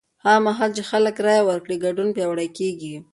هغه مهال چې خلک رایه ورکړي، ګډون پیاوړی کېږي.